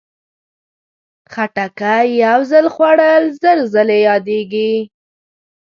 خټکی یو ځل خوړل، زر ځل یادېږي.